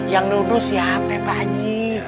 yang nuduh si apa pak ji